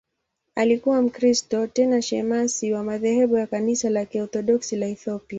Alikuwa Mkristo, tena shemasi wa madhehebu ya Kanisa la Kiorthodoksi la Ethiopia.